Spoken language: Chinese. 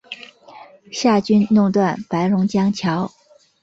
夏军弄断白龙江桥。